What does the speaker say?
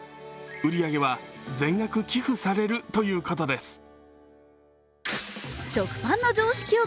売り上げは全額寄付されるということです。